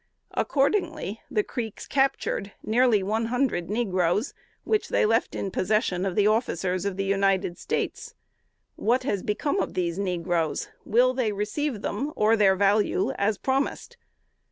Accordingly, the Creeks captured near one hundred negroes, which they left in possession of the officers of the United States. What has become of these negroes? Will they receive them, or their value, as promised?"